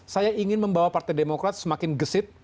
saya ingin membawa partai demokrat semakin gesit